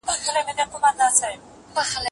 یو څه نڅا یو څه خندا ته ورکړو